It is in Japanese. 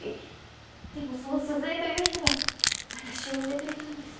でもその鈴江という人が私を生んでくれたのです。